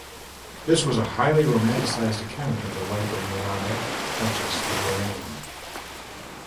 This was a highly romanticised account of the life of Yolande, Duchess of Lorraine.